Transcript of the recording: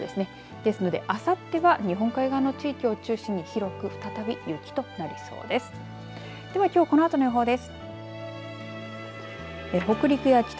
ですのであさっては日本海側の地域を中心に広く雪となりそうです。